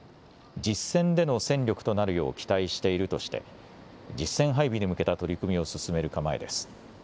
実戦での戦力となるよう期待しているとして実戦配備に向けた取り組みを進める構えです。